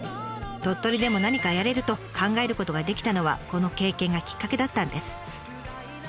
鳥取でも何かやれると考えることができたのはこの経験がきっかけだったんです。